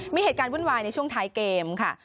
มีเหตุการณ์วุ่นวายในช่วงท้ายเกมค่ะ